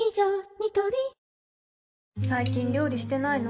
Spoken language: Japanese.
ニトリ最近料理してないの？